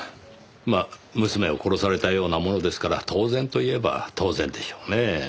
まあ娘を殺されたようなものですから当然といえば当然でしょうねぇ。